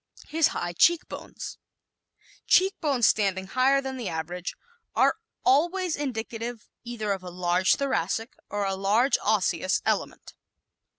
His High Cheek Bones ¶ Cheek bones standing higher than the average are always indicative either of a large Thoracic or a large Osseous element.